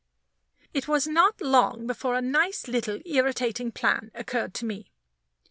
It was not long before a nice little irritating plan occurred to me.